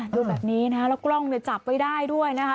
ดูแบบนี้นะคะแล้วกล้องเนี่ยจับไว้ได้ด้วยนะคะ